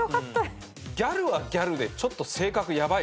ギャルはギャルでちょっと。